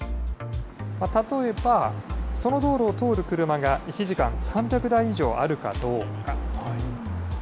例えば、その道路を通る車が、１時間３００台以上あるかどうか。